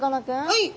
はい？